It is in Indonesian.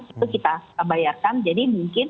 itu kita bayarkan jadi mungkin